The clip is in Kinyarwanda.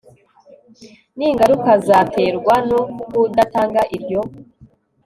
n ingaruka zaterwa no kudatanga iryo